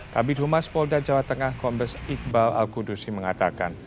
kabit humas polda jawa tengah kombes iqbal al kudusi mengatakan